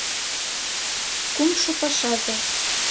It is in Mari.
Кумшо пашазе.